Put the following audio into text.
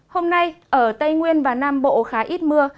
hôm nay ở tây nguyên và nam bộ khá ít mưa